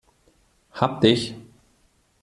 Hab dich!